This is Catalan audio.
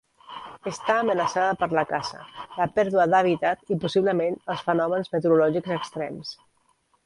Està amenaçada per la caça, la pèrdua d'hàbitat i possiblement els fenòmens meteorològics extrems.